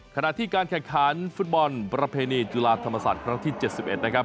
ขณะที่การแข่งขันฟุตบอลประเพณีจุฬาธรรมศาสตร์ครั้งที่๗๑นะครับ